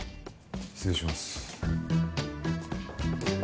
失礼します。